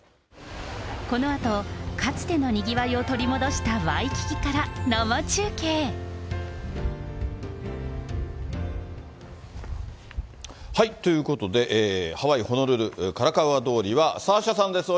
このあと、かつてのにぎわいを取り戻したワイキキから生中継。ということで、ハワイ・ホノルル、カラカウア通りは、サーシャさんです。